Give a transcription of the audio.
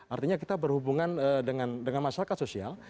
artinya kita berhubungan dengan masyarakat sosial